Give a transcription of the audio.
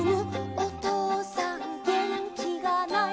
おとうさんげんきがない」